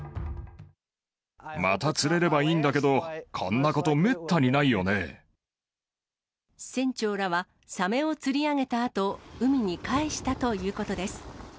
また釣れればいいんだけど、船長らは、サメを釣り上げたあと、海に帰したということです。